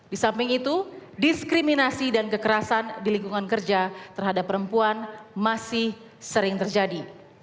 di samping itu diskriminasi dan kekerasan di lingkungan kerja terhadap perempuan masih sering terjadi